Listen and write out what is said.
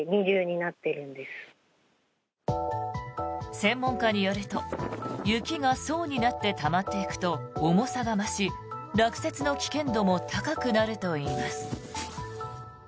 専門家によると雪が層になってたまっていくと重さが増し、落雪の危険度も高くなるといいます。